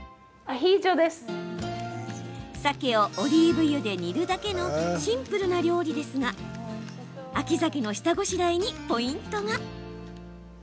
サケをオリーブ油で煮るだけのシンプルな料理ですが秋ザケの下ごしらえにポイントが。